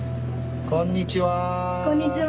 こんにちは。